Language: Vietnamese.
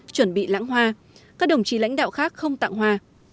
chuẩn bị lãng hoa các đồng chí lãnh đạo khác không tặng hoa